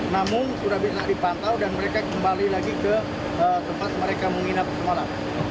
namun sudah bisa dipantau dan mereka kembali lagi ke tempat mereka menginap semalam